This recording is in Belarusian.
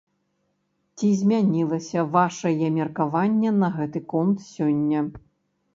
Ці змянілася вашае меркаванне на гэты конт сёння?